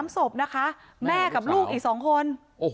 ๓ศพนะคะแม่กับลูกอีก๒คน